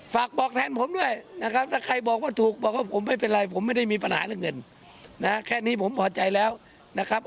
ฝากบอกแทนผมด้วยนะครับถ้าใครบอกว่าถูกบอกว่าผมไม่เป็นไรผมไม่ได้มีปัญหาเรื่องเงินนะแค่นี้ผมพอใจแล้วนะครับ